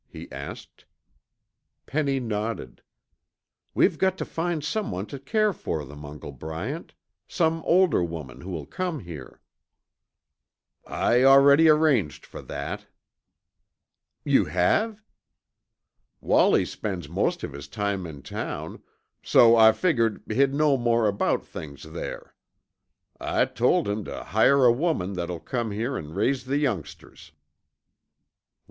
he asked. Penny nodded. "We've got to find someone to take care of them, Uncle Bryant some older woman who will come here." "I already arranged fer that." "You have?" "Wallie spends most of his time in town, so I figgered he'd know more about things there. I told him tuh hire a woman that'll come here an' raise the youngsters."